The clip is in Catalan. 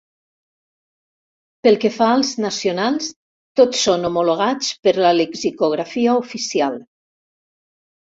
Pel que fa als nacionals, tots són homologats per la lexicografia oficial.